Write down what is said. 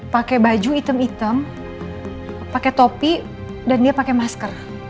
pakai baju hitam hitam pakai topi dan dia pakai masker